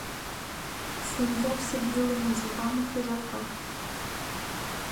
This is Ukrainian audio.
Сміявся білими зубами хижака.